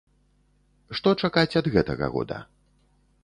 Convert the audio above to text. Што чакаць ад гэтага года?